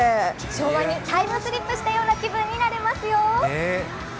昭和にタイムスリップしたような気分になれますよ。